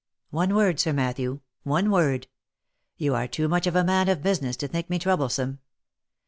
" One word, Sir Matthew, one word. You are too much of a man of business to think me troublesome.